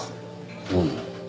うん。